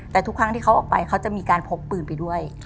แต่ทุกครั้งที่เขาออกไปเขาจะมีการพกปืนไปด้วย